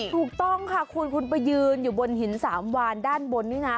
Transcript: ถูกต้องค่ะคุณคุณไปยืนอยู่บนหินสามวานด้านบนนี่นะ